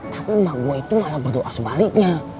tapi emak gue itu malah berdoa sebaliknya